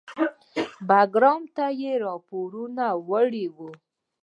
بګرام ته یې راپورونه وړي وو.